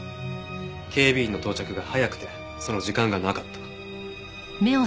警備員の到着が早くてその時間がなかった。